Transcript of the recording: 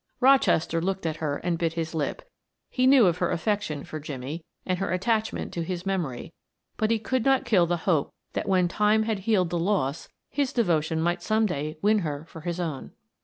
Rochester looked at her and bit his lip; he knew of her affection for Jimmie and her attachment to his memory, but he could not kill the hope that when Time had healed the loss, his devotion might some day win her for his own.